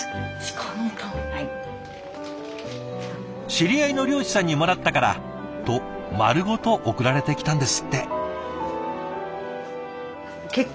「知り合いの猟師さんにもらったから」と丸ごと送られてきたんですって。